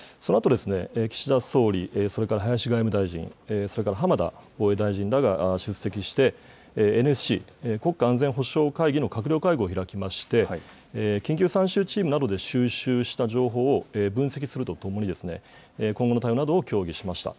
そのあと岸田総理、それから林外務大臣、それから浜田防衛大臣らが出席して、ＮＳＣ・国家安全保障会議の閣僚会合を開きまして、緊急参集チームなどで収集した情報を分析するとともに、今後の対応などを協議しました。